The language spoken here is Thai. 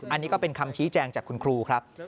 อันนี้ก็เป็นคำชี้แจงจากคุณครูครับ